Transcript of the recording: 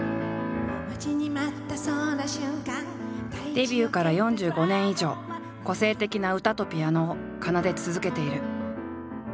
デビューから４５年以上個性的な歌とピアノを奏で続けている。